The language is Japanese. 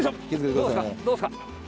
どうですか？